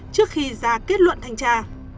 trước khi ra kết luận thanh tra